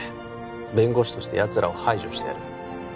弁護士としてやつらを排除してやる